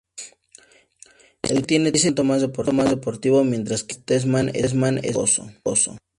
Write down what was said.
El Caprice tiene tacto más deportivo, mientras que el Statesman es más lujoso.